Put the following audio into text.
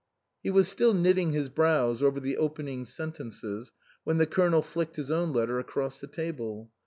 He was still knitting his brows over the open ing sentences, when the Colonel flicked his own letter across the table.